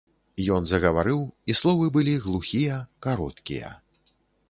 Ён загаварыў, і словы былі глухія, кароткія.